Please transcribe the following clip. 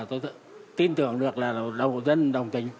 tôi tin tưởng được là đồng dân đồng tình